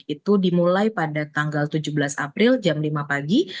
itu dimulai pada tanggal tujuh belas april jam lima pagi